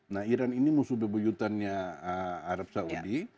nah iran ini musuh bebuyutannya arab saudi